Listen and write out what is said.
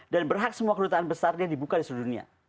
dan berhak semua kedutaan besar dia dibuka di seluruh dunia